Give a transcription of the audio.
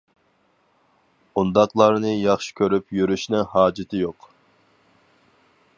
ئۇنداقلارنى ياخشى كۆرۈپ يۈرۈشنىڭ ھاجىتى يوق.